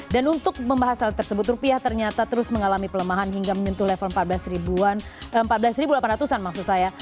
dan untuk membahas hal tersebut rupiah ternyata terus mengalami pelemahan hingga menentu level empat belas delapan ratus an maksud saya